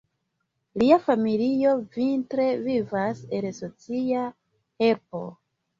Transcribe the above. Lia familio vintre vivas el socia helpo.